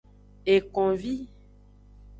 Ekonvi.